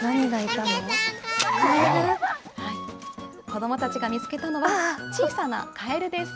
子どもたちが見つけたのは、小さなカエルです。